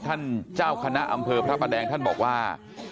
ท่านเจ้าคณะอำเภอพระประแดงท่านบอกว่า